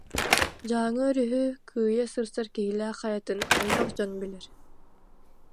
Дьааҥы өрүһү кыйа сырсар Киһилээх хайатын элбэх дьон билэр